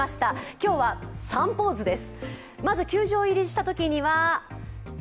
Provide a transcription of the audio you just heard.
今日は３ポーズです。